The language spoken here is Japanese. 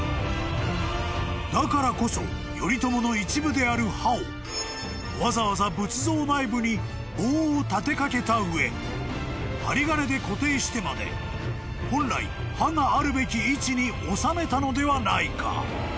［だからこそ頼朝の一部である歯をわざわざ仏像内部に棒を立てかけた上針金で固定してまで本来歯があるべき位置に納めたのではないか］